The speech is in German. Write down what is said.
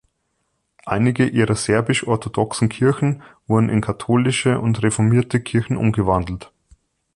Einige ihrer serbisch-orthodoxen Kirchen wurden in katholische und reformierte Kirchen umgewandelt.